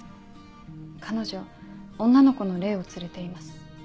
彼女女の子の霊を連れています。